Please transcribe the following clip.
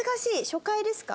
初回ですか？